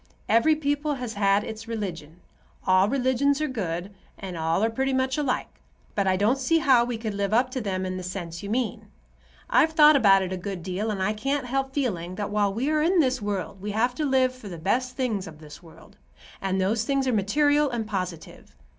Every people has had its religion. All religions are good, and all are pretty much alike. But I don't see how we could live up to them in the sense you mean. I've thought about it a good deal, and I can't help feeling that while we are in this world we have to live for the best things of this world, and those things are material and positive.